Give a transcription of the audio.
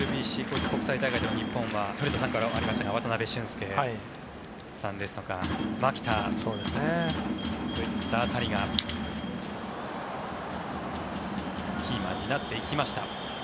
ＷＢＣ、国際大会は古田さんがおっしゃったような渡辺俊介さんとか牧田といった辺りがキーマンになっていきました。